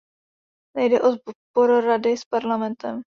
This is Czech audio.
Nejde o spor Rady s Parlamentem.